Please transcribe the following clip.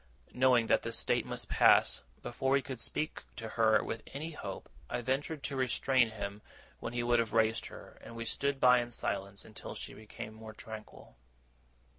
Knowing that this state must pass, before we could speak to her with any hope, I ventured to restrain him when he would have raised her, and we stood by in silence until she became more tranquil.